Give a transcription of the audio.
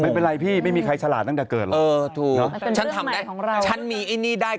ไม่เป็นไรพี่ไม่มีใครฉลาดตั้งแต่เกิดหรอก